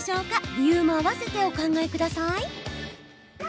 理由も合わせてお考えください。